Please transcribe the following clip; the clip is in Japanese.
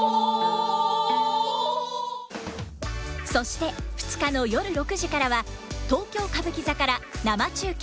そして２日の夜６時からは東京歌舞伎座から生中継。